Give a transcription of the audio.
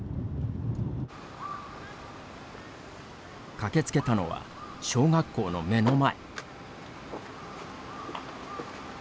駆けつけたのは小学校の目の前。